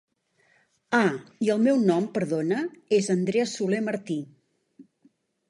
Ah i el meu nom perdona és Andrea Soler Martí.